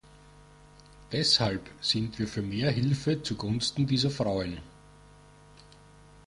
Deshalb sind wir für mehr Hilfe zugunsten dieser Frauen.